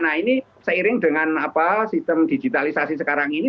nah ini seiring dengan sistem digitalisasi sekarang ini